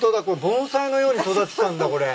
盆栽のように育てたんだこれ。